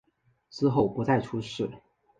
之后不再出仕。